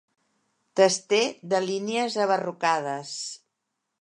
Tester de línies abarrocades.